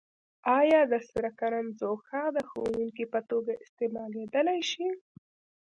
آیا د سره کرم ځوښا د ښودونکي په توګه استعمالیدای شي؟